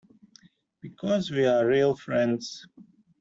Because we are real friends.